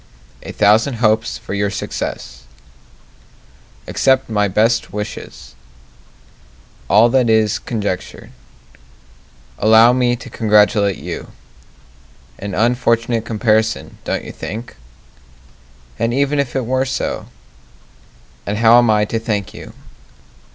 A thousand hopes for your success Accept my best wishes All that is conjecture Allow me to congratulate you An unfortunate comparison, don't you think? And even if it were so? And how am I to thank you?